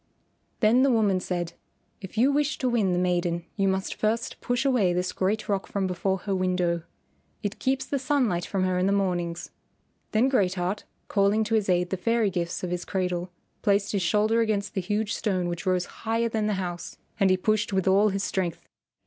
Then the woman said, "If you wish to win the maiden you must first push away this great rock from before her window. It keeps the sunlight from her in the mornings." Then Great Heart, calling to his aid the fairy gifts of his cradle, placed his shoulder against the huge stone which rose higher than the house, and he pushed with all his strength.